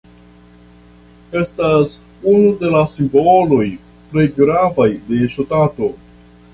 Estas unu de la simboloj plej gravaj de ŝtato.